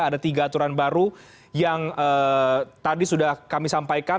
ada tiga aturan baru yang tadi sudah kami sampaikan